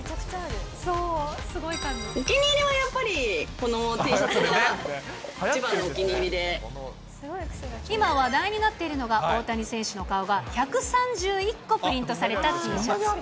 お気に入りはやっぱりこのＴ今話題になっているのが、大谷選手の顔が１３１個プリントされたＴシャツ。